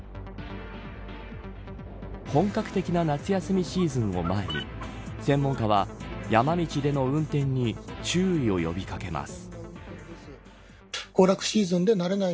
本格的な夏休みシーズンを前に専門家は、山道での運転に注意を呼び掛けます。